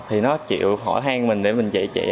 thì nó chịu hỏi thang mình để mình dạy chị